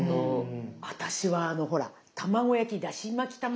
私はあのほら卵焼きだし巻き卵の作り方